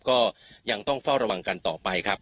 ก็ยังต้องเฝ้าระวังกันต่อไปครับ